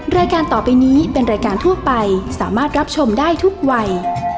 รายการต่อไปนี้เป็นรายการทั่วไปสามารถรับชมได้ทุกวัย